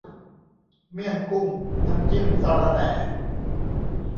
เมี่ยงกุ้ง น้ำจิ้มสะระแหน่